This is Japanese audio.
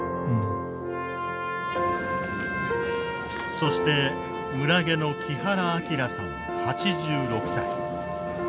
そして村下の木原明さん８６歳。